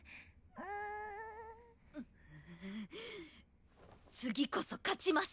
うう次こそ勝ちます。